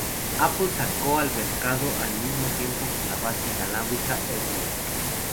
Apple sacó al mercado al mismo tiempo la base inalámbrica 'AirPort'.